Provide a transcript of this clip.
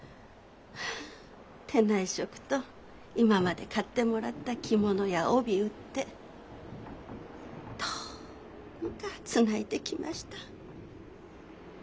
手内職と今まで買ってもらった着物や帯売ってどうにかつないできました。